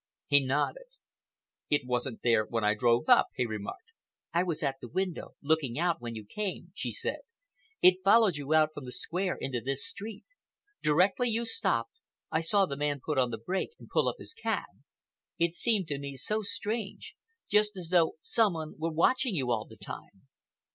He nodded. "It wasn't there when I drove up," he remarked. "I was at the window, looking out, when you came," she said. "It followed you out from the Square into this street. Directly you stopped, I saw the man put on the brake and pull up his cab. It seemed to me so strange, just as though some one were watching you all the time."